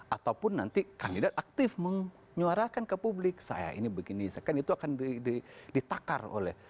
ataupun nanti kandidat aktif menyuarakan ke publik saya ini begini saya kan itu akan ditakar oleh